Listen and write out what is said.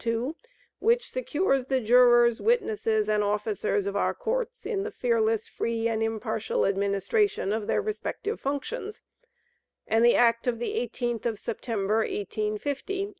2, which secures the jurors, witnesses, and officers of our Courts in the fearless, free, and impartial administration of their respective functions, and the act of the 18th of September, 1850, Ch.